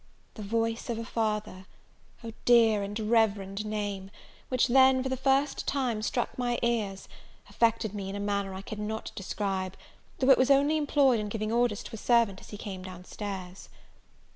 The voice of a father Oh, dear and revered name! which then, for the first time, struck my ears, affected me in a manner I cannot describe, though it was only employed in giving orders to a servant as he came down stairs.